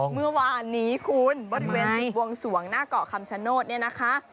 เมื่อวานนี้คุณบริเวณจุดบวงสวงหน้าเกาะคำชโนธเนี่ยนะคะ